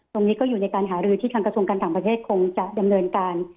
ตรงนี้ก็อยู่ในการหารือที่ทางกระทรวงการต่างประเทศคงจะดำเนินการ